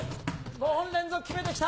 ５本連続決めてきた。